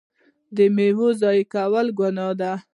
د میوو ضایع کول ګناه ده.